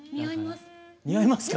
似合います。